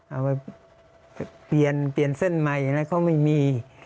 เอาไปเปลี่ยนเส้นใหม่แล้วเขาไม่มี